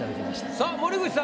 さあ森口さん